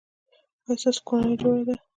ایا ستاسو کورنۍ جوړه ده؟